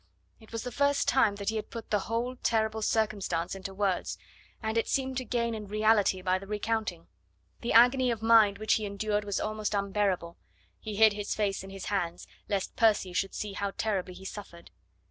It was the first time that he had put the whole terrible circumstance into words, and it seemed to gain in reality by the recounting. The agony of mind which he endured was almost unbearable; he hid his face in his hands lest Percy should see how terribly he suffered.